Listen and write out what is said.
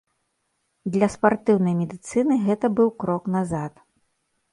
Для спартыўнай медыцыны гэта быў крок назад.